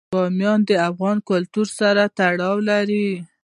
بامیان د افغان کلتور سره تړاو لري.